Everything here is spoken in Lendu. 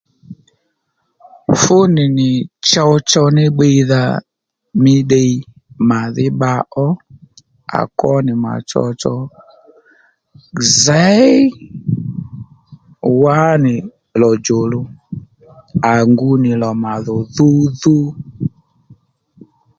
Fú nì nì chow chow mí bbiydha mí ddiy màdhí bba ó à kwó nì mà tsotso zěy wánì lò djò luw à ngu nì lò màdhò dhudhu